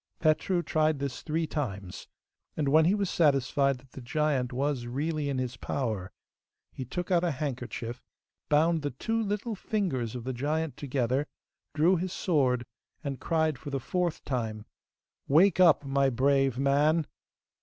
Petru tried this three times, and when he was satisfied that the giant was really in his power he took out a handkerchief, bound the two little fingers of the giant together, drew his sword, and cried for the fourth time, 'Wake up, my brave man.